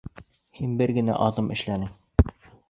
Һәм бер генә аҙым эшләне.